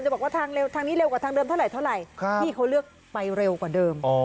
บอกว่าทางนี้เร็วกว่าทางเดิมเท่าไหร่พี่เขาเลือกไปเร็วกว่าเดิม